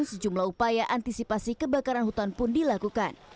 sejumlah upaya antisipasi kebakaran hutan pun dilakukan